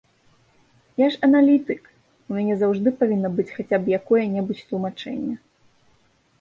Я ж аналітык, у мяне заўжды павінна быць хаця б якое-небудзь тлумачэнне.